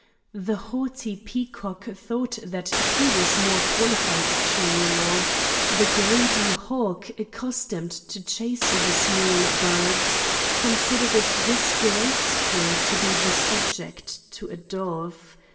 The haughty peacock thought that he was more qualified to rule; the greedy hawk accustomed to chase the small birds considered it disgraceful to be subject to a dove.